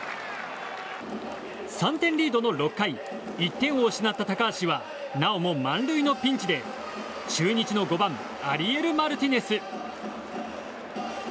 ３点リードの６回１点を失った高橋はなおも満塁のピンチで中日の５番アリエル・マルティネス。